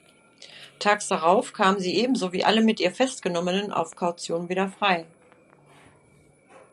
Tags darauf kam sie ebenso wie alle mit ihr Festgenommenen auf Kaution wieder frei.